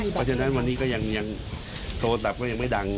เพราะฉะนั้นวันนี้ก็ยังโทรศัพท์ก็ยังไม่ดัง